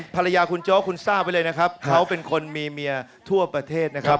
ภรรยาคุณโจ๊กคุณทราบไว้เลยนะครับเขาเป็นคนมีเมียทั่วประเทศนะครับ